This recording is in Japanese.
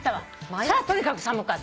それはとにかく寒かった。